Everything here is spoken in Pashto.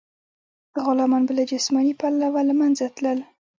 غلامان به له جسماني پلوه له منځه تلل.